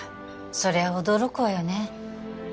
そりゃ驚くわよね